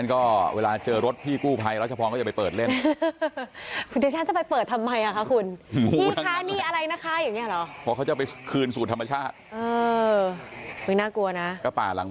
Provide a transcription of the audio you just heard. นี่นี่อ่อเขาเลือกเข้าไปเองเลยเหรอก็ตามธรรมชาติของ